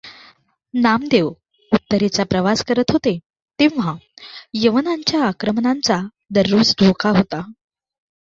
नामदेव उत्तरेचा प्रवास करत होते, तेव्हा यवनांच्या आक्रमणांचा दररोज धोका होता.